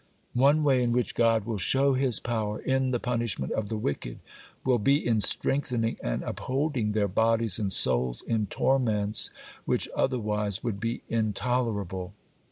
One way in which God will show his power in the punishment of the wicked, will be in strengthening and upholding their bodies and souls in torments which otherwise would be intolerable.